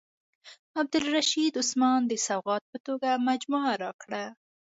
عبدالرشید عثمان د سوغات په توګه مجموعه راکړه.